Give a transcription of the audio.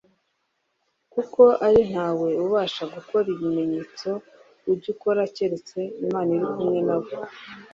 kuko ari ntawe ubasha gukora ibimenyetso ujya ukora, keretse Imana iri kumwe na we'.